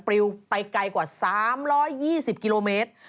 ริวไปไกลกว่า๓๒๐กิโลเมตร